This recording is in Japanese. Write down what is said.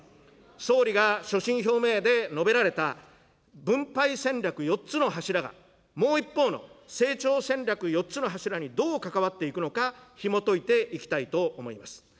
総理が所信表明で述べられた分配戦略４つの柱が、もう一方の成長戦略４つの柱にどう関わっていくのか、ひもといていきたいと思います。